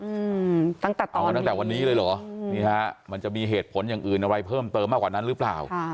เอาเหมาะตั้งแต่วันนี้เลยเหรอนี่นะมันจะมีเหตุผลอย่างอื่นอะไรเพิ่มเติมมากกว่านั้นหรือเปล่า